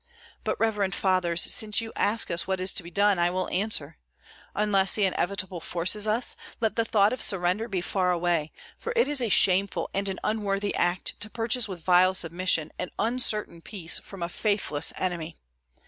But, reverend fathers, since you ask us what is to be done, I will answer: Until the inevitable forces us, let the thought of surrender be far away; for it is a shameful and an unworthy act to purchase with vile submission an uncertain peace from a faithless enemy.